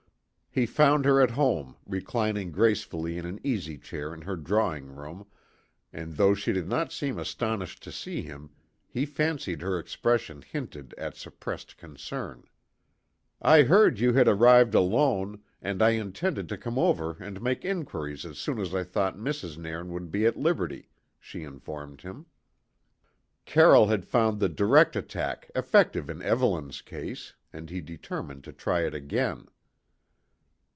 He found her at home, reclining gracefully in an easy chair in her drawing room, and though she did not seem astonished to see him, he fancied her expression hinted at suppressed concern. "I heard you had arrived alone, and I intended to come over and make inquiries as soon as I thought Mrs. Nairn would be at liberty," she informed him. Carroll had found the direct attack effective in Evelyn's case, and he determined to try it again.